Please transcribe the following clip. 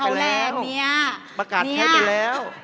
ประกาศใช้ไปแล้ว